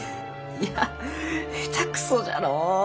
いや下手くそじゃのう！